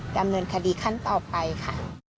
ดำเนินคดีขั้นต่อไปค่ะ